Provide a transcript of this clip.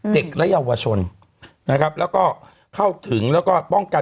เด็กและเยาวชนนะครับแล้วก็เข้าถึงแล้วก็ป้องกัน